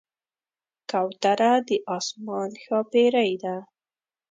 کوتره د آسمان ښاپېرۍ ده.